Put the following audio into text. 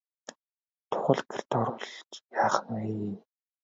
Тугал гэрт оруулж яах нь вэ?